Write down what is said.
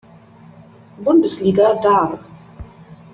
Bundesliga dar.